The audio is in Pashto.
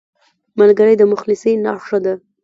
ملګری د مخلصۍ نښه ده